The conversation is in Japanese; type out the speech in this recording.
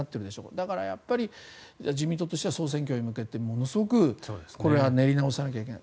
だからやっぱり自民党としては総選挙に向けてものすごく練り直さないといけない。